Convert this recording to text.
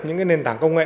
những nền tảng công nghệ